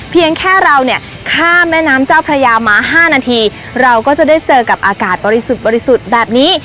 เพียงแค่เราเนี่ยข้ามแม่น้ำเจ้าพระยามา๕นาทีเราก็จะได้เจอกับอากาศบริสุทธิ์บริสุทธิ์แบบนี้